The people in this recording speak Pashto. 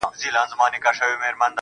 ته ټيک هغه یې خو اروا دي آتشي چیري ده.